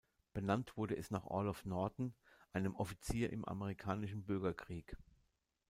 Benannt wurde es nach Orloff Norton, einem Offizier im Amerikanischen Bürgerkrieg.